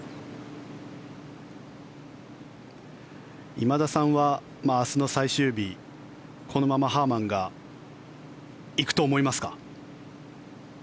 今田さんは明日の最終日このままハーマンが行くと思いますか？